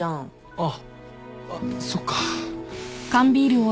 あっあっそっか